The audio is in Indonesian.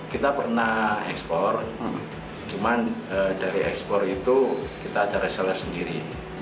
kita pernah ekspor cuman dari ekspor itu kita ada reseller sendiri